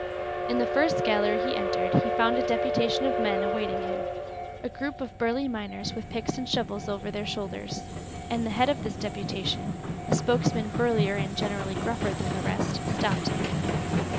In the first gallery he entered he found a deputation of men awaiting him, a group of burly miners with picks and shovels over their shoulders, and the head of this deputation, a spokesman burlier and generally gruffer than the rest, stopped him.